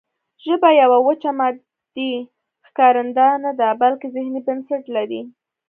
ژبه یوه وچه مادي ښکارنده نه ده بلکې ذهني بنسټ لري